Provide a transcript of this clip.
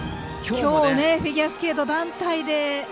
きょうフィギュアスケート団体で。